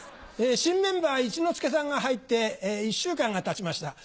新メンバー一之輔さんが入って１週間がたちました。